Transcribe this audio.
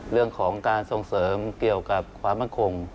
เรื่องของการส่งเสริมเกี่ยวกับความมั่นคง